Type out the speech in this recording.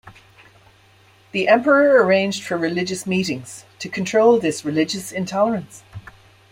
The emperor arranged for religious meetings to control this religious intolerance.